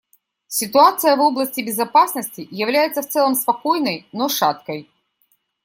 Ситуация в области безопасности является в целом спокойной, но шаткой.